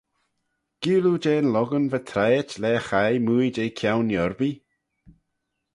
Geayll oo jeh'n lhong va traiet laa chaie mooie jeh Kione Yorby?